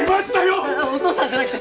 お父さんじゃなくて。